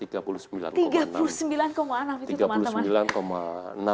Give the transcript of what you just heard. tiga puluh sembilan enam itu teman teman